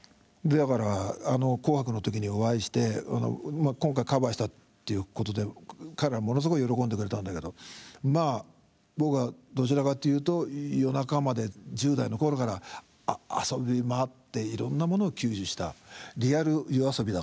だからあの「紅白」の時にお会いして今回カバーしたっていうことで彼らはものすごい喜んでくれたんだけどまあ僕はどちらかっていうと夜中まで１０代の頃から遊びまわっていろんなものを吸収したアハハハハハ。